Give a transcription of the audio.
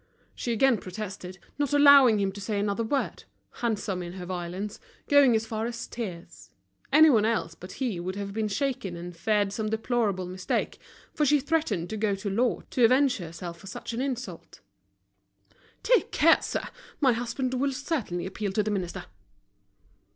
She again protested, not allowing him to say another word, handsome in her violence, going as far as tears. Anyone else but he would have been shaken and feared some deplorable mistake, for she threatened to go to law to avenge herself for such an insult. "Take care, sir, my husband will certainly appeal to the Minister."